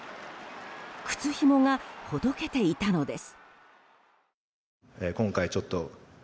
靴ひもがほどけていたのです。